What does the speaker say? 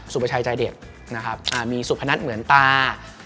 สุประชายใจเด็กมีสุพนัทเหมือนตา